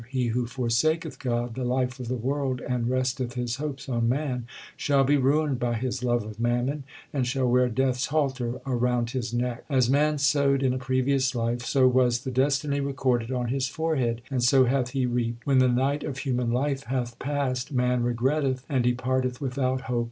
He who forsaketh God the life of the world and resteth his hopes on man, Shall be ruined by his love of mammon, and shall wear Death s halter around his neck. As man sowed, in a previous life, so was the destiny recorded on his forehead, and so hath he reaped. When the night of human life hath passed, man regretteth and departeth without hope.